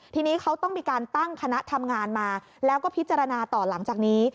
ทีนี้เขาต้องมีการตั้งคณะทำงานมาแล้วก็พิจารณาต่อหลังจากนี้